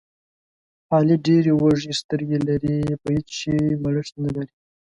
علي ډېرې وږې سترګې لري، په هېڅ شي مړښت نه لري.